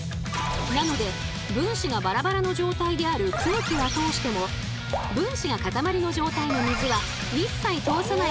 なので分子がバラバラの状態である空気は通しても分子がかたまりの状態の水は一切通さないという不思議なテープ。